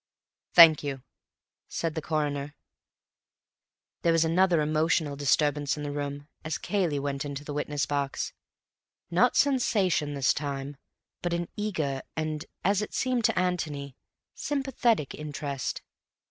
"Thank you," said the Coroner. There was another emotional disturbance in the room as Cayley went into the witness box; not "Sensation" this time, but an eager and, as it seemed to Antony, sympathetic interest.